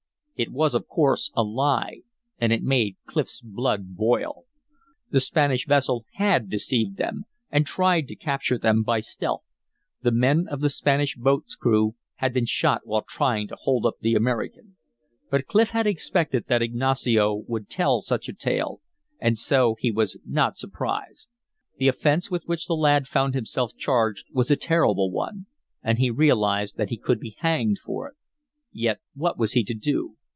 It was of course a lie; and it made Clif's blood boil. The Spanish vessel had deceived them and tried to capture them by stealth. The men of the Spanish boat's crew had been shot while trying to hold up the American. But Clif had expected that Ignacio would tell such a tale, and so he was not surprised. The offense with which the lad found himself charged was a terrible one, and he realized that he could be hanged for it. Yet what was he to do?